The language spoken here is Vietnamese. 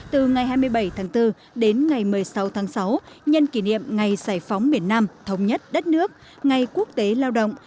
từ ngày hai mươi bảy tháng bốn đến ngày một mươi sáu tháng sáu nhân kỷ niệm ngày giải phóng miền nam thống nhất đất nước ngày quốc tế lao động